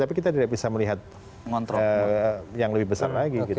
tapi kita tidak bisa melihat yang lebih besar lagi gitu